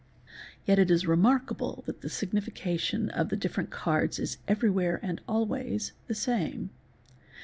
Yet it is remarkable that the significa ' tion of the different cards is everywhere and always the same.